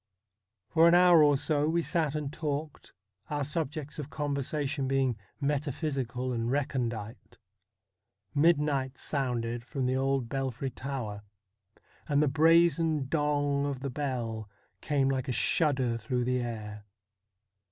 For an hour or so we sat and talked, our subjects of conversation being metaphysical and recondite. Midnight sounded from the old belfry tower, and the brazen dong of the bell came like a shudder through the air.